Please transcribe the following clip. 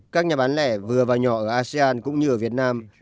các nhà bán lẻ vừa và nhỏ ở asean cũng như ở việt nam